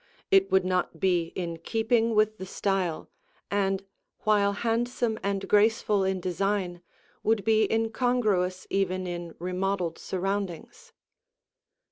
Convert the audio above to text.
It would not be in keeping with the style and, while handsome and graceful in design, would be incongruous even in remodeled surroundings.